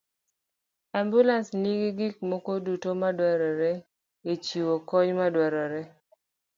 Ambulans nigi gik moko duto madwarore e chiwo kony madwarore.